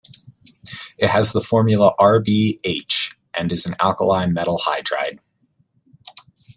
It has the formula RbH and is an alkali metal hydride.